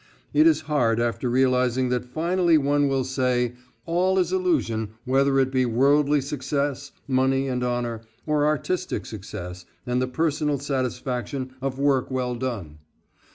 It is hard after realizing that finally one will say, "All is illusion, whether it be worldly success money and honor, or artistic success and the personal satisfaction of work well done."